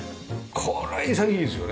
これ潔いですよね。